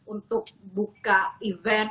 untuk buka event